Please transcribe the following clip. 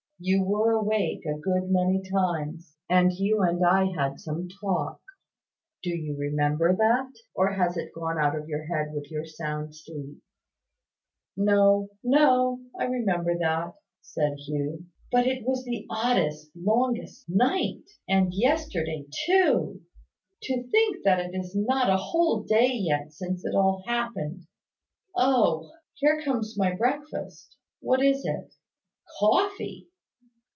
You were awake a good many times; and you and I had some talk. Do you remember that? Or has it gone out of your head with your sound sleep?" "No, no: I remember that," said Hugh. "But it was the oddest, longest night! and yesterday too! To think that it is not a whole day yet since it all happened! Oh! Here comes my breakfast. What is it? Coffee!"